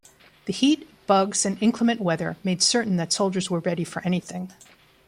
The heat, bugs and inclement weather made certain that soldiers were ready for anything.